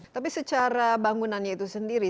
tapi secara bangunannya itu sendiri